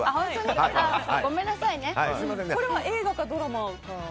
これは映画かドラマか。